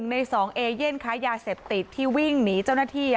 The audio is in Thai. ใน๒เอเย่นค้ายาเสพติดที่วิ่งหนีเจ้าหน้าที่